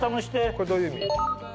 これどういう意味？